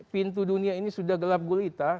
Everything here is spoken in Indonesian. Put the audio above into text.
pintu dunia ini sudah gelap gulita